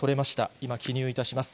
今、記入いたします。